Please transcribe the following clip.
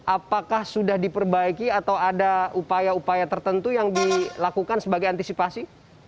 apakah sudah diperbaiki atau ada upaya upaya tertentu yang dilakukan sebagai antisipasi